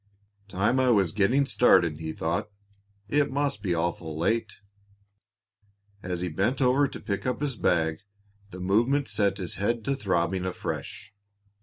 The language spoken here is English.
"Time I was getting started," he thought. "It must be awful late." As he bent over to pick up his bag, the movement set his head to throbbing afresh.